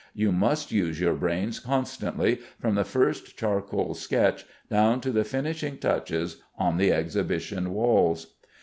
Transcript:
You must use your brains constantly, from the first charcoal sketch down to the finishing touches on the Exhibition walls.